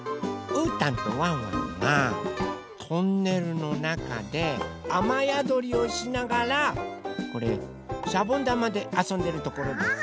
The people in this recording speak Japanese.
うーたんとワンワンがトンネルのなかであまやどりをしながらこれしゃぼんだまであそんでるところです。